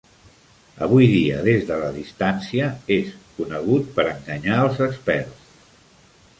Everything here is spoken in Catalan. Avui dia, des de la distància, és "conegut per enganyar els experts".